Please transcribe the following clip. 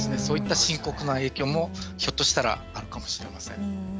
そういった深刻な影響もひょっとしたらあるかもしれません。